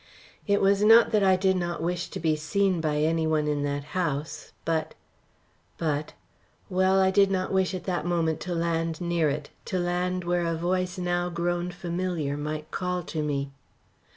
It was not that I did not wish to be seen by any one in that house. But but well, I did not wish at that moment to land near it to land where a voice now grown familiar might call to me.